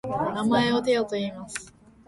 名前をテョといいます。